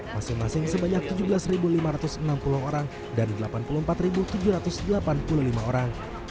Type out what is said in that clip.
masing masing sebanyak tujuh belas lima ratus enam puluh orang dan delapan puluh empat tujuh ratus delapan puluh lima orang